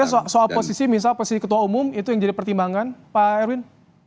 tapi soal posisi misal posisi ketua umum itu yang jadi pertimbangan pak erwin